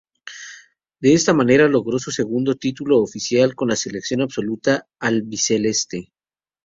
De esta manera, logró su segundo título oficial con la Selección absoluta albiceleste.